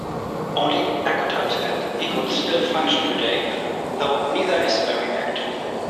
Only Agudath and Iggud still function today, though neither is very active.